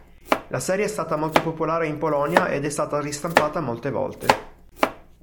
La serie è stata molto popolare in Polonia, ed è stata ristampata molte volte.